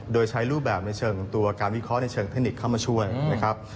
โดยใช้รูปแบบในเชิงตัวการวิเคราะห์ในเชิงเทคนิคเข้ามาช่วยนะครับ